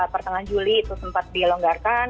pertengahan juli itu sempat dilonggarkan